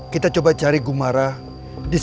kita cari cara lain alam